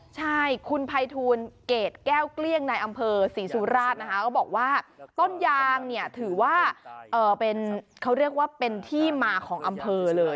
ใช่คุณภัยทูลเกรดแก้วเกลี้ยงในอำเภอศรีสุราชนะคะก็บอกว่าต้นยางเนี่ยถือว่าเป็นเขาเรียกว่าเป็นที่มาของอำเภอเลย